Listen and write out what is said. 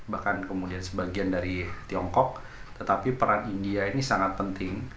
bahkan kemudian sebagian dari tiongkok tetapi peran india ini sangat penting